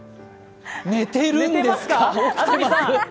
寝てるんですか。